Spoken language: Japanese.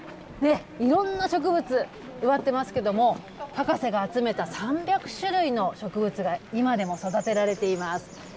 いろんな植物、植わってますけれども、博士が集めた３００種類の植物が今でも育てられています。